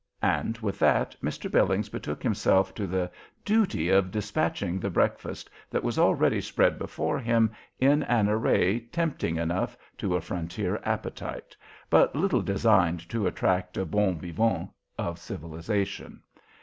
And with that Mr. Billings betook himself to the duty of despatching the breakfast that was already spread before him in an array tempting enough to a frontier appetite, but little designed to attract a bon vivant of civilization.